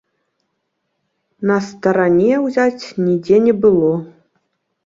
На старане ўзяць нідзе не было.